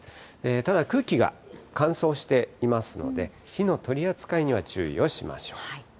ただ、空気が乾燥していますので、火の取り扱いには注意をしましょう。